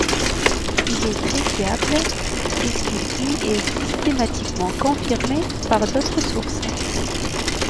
Il est très fiable, et ce qu'il dit est systématiquement confirmé par d'autres sources.